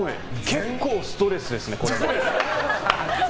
結構ストレスですね、これも。